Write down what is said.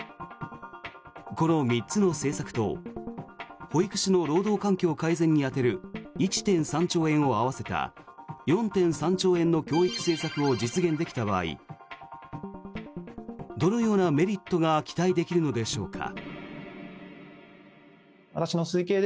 この３つの政策と保育士の労働環境改善に充てる１．３兆円を合わせた４．３兆円の教育政策を実現できた場合どのようなメリットが期待できるのでしょうか。